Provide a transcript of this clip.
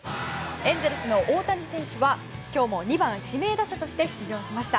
エンゼルスの大谷選手は今日も２番、指名打者として出場しました。